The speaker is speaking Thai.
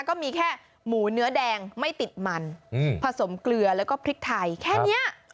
ก็มีแค่หมูเนื้อแดงไม่ติดมันผสมเกลือแล้วก็พริกไทยแค่นี้